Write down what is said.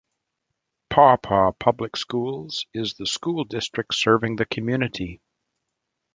Paw Paw Public Schools is the school district serving the community.